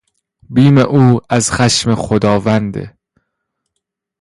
بیم او از خشم خداوند....